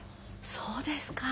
そうですか。